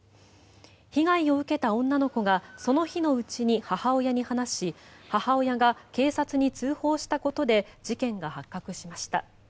被害を受けた女の子がその日のうちに母親に話し母親が警察に通報したことで事件が発覚しました。